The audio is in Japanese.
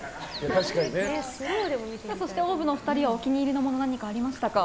そしてＯＷＶのお二人はお気に入りのものありましたか？